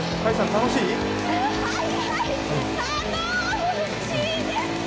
楽しいです。